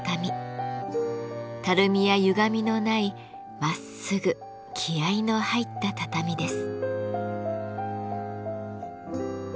たるみやゆがみのないまっすぐ気合いの入った畳です。